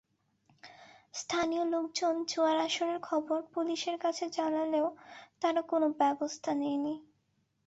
স্থানীয় লোকজন জুয়ার আসরের খবর পুলিশের কাছে জানালেও তারা কোনো ব্যবস্থা নেয়নি।